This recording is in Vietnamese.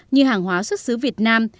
như hàng hóa xuất xứ việt nam